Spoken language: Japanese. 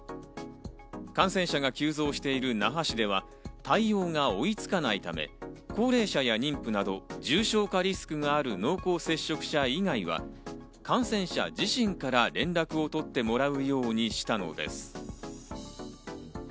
感染者が急増している那覇市では、対応が追いつかないため、高齢者や妊婦など重症化リスクがある濃厚接触者以外は、感染者自身から連絡を取ってもらうようにしたのです。